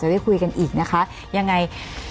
ได้คุยกันอีกนะคะยังไง